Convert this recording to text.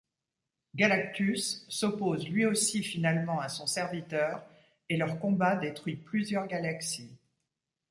Galactus s'oppose lui aussi finalement à son serviteur, et leur combat détruit plusieurs galaxies.